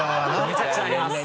めちゃくちゃ鳴ります。